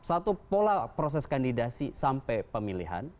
satu pola proses kandidasi sampai pemilihan